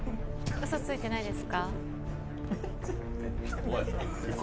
うそついてないです。